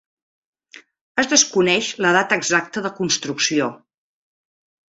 Es desconeix la data exacta de construcció.